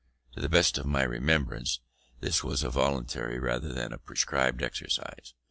To the best of my remembrance, this was a voluntary rather than a prescribed exercise.